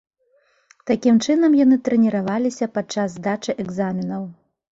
Такім чынам яны трэніраваліся падчас здачы экзаменаў.